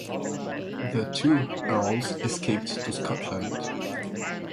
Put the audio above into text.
The two Earls escaped to Scotland.